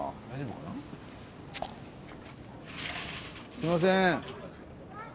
すいません。